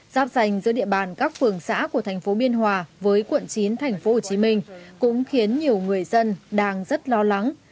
giáp danh giữa địa bàn các phường xã của thành phố biên hòa với quận chín thành phố hồ chí minh cũng khiến nhiều người dân đang rất lo lắng